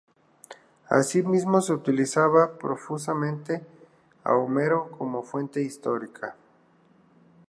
Asimismo, se utilizaba profusamente a Homero como fuente histórica.